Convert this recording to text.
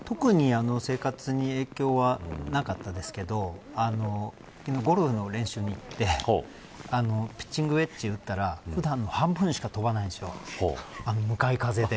特に生活に影響はなかったですけどゴルフの練習に行ってピッチングウエッジ打ったら普段の半分しか飛ばないんです向かい風で。